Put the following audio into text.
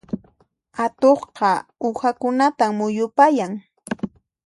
Atuqqa uhakunatan muyupayan.